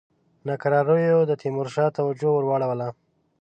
ناکراریو د تیمورشاه توجه ور واړوله.